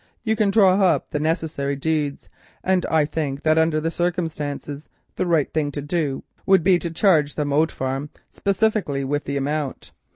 You can draw up the necessary deeds, and I think that under the circumstances the right thing to do would be to charge the Moat Farm specifically with the amount.